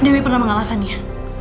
dewi pernah mengalahkannya